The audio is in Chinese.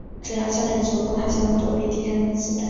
只要焦点足够她就能躲避敌人的子弹。